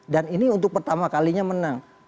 dan ini untuk pertama kalinya menang